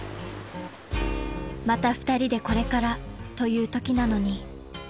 ［また２人でこれからというときなのに］